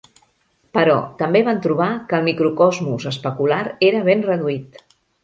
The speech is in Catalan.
Però també van trobar que el microcosmos especular era ben reduït.